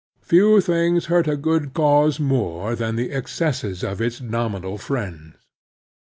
Few things hurt a good cause more than the excesses of its nominal friends.